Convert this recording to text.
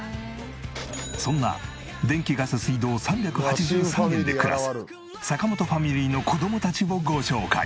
そんな電気ガス水道３８３円で暮らす坂本ファミリーの子供たちをご紹介！